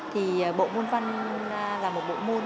thì bộ môn văn là một bộ môn